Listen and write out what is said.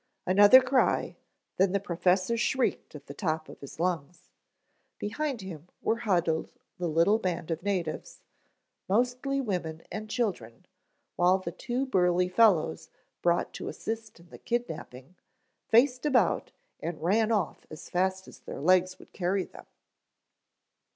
Another cry, then the professor shrieked at the top of his lungs. Behind him were huddled the little band of natives, mostly women and children, while the two burly fellows brought to assist in the kidnaping, faced about and ran off as fast as their legs would carry them.